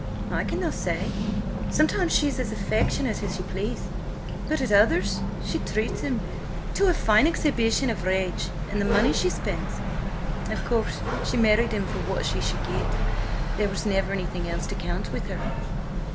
"I cannot say–sometimes she's as affectionate as you please, but at others she treats him to a fine exhibition of rage. And the money she spends! Of course, she married him for what she should get. There was never anything else to count with her."